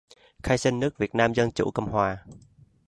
khai sinh nước Việt Nam Dân chủ Cộng hòa